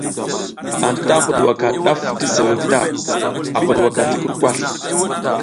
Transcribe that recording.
Anta pudwaka ɗaf ti suwek ta, a pudwaka ti kurkasl.